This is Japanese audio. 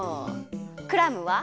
クラムは？